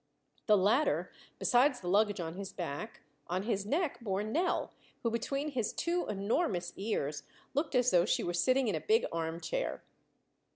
The latter, besides the luggage on his back, on his neck bore Nell, who between his two enormous ears looked as though she were sitting in a big arm chair.